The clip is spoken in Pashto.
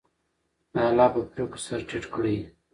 د الله په پرېکړو سر ټیټ کړئ.